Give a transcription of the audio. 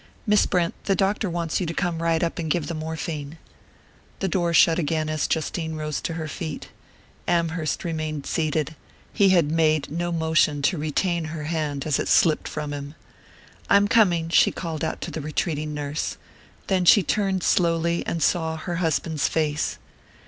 "Miss Brent the doctor wants you to come right up and give the morphine." The door shut again as Justine rose to her feet. Amherst remained seated he had made no motion to retain her hand as it slipped from him. "I'm coming," she called out to the retreating nurse; then she turned slowly and saw her husband's face.